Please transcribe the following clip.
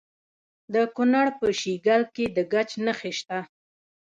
د کونړ په شیګل کې د ګچ نښې شته.